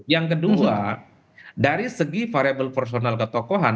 yang kedua dari segi variable personal ketokohan